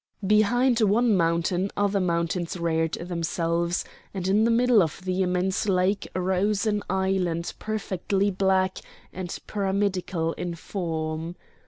Behind one mountain other mountains reared themselves, and in the middle of the immense lake rose an island perfectly black and pyramidal in form.